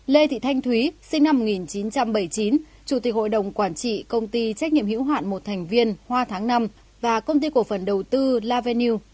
lê thị thanh thúy sinh năm một nghìn chín trăm bảy mươi chín chủ tịch hội đồng quản trị công ty trách nhiệm hữu hạn một thành viên hoa tháng năm và công ty cổ phần đầu tư la venue